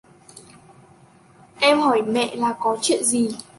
Em hỏi mẹ là có chuyện gì